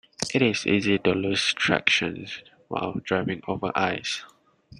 It is easy to lose traction while driving over ice.